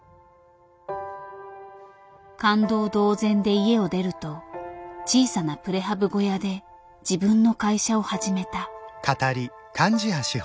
勘当同然で家を出ると小さなプレハブ小屋で自分の会社を始めた。